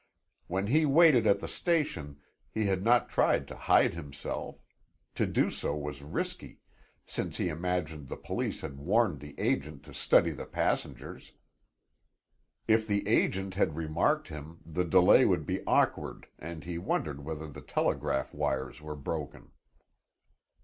When he waited at the station, he had not tried to hide himself; to do so was risky, since he imagined the police had warned the agent to study the passengers. If the agent had remarked him, the delay would be awkward and he wondered whether the telegraph wires were broken.